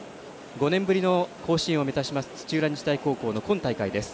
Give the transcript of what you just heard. ５年ぶりの甲子園を目指します土浦日大高校の今大会です。